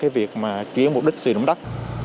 việc chuyển mục đích sử dụng đất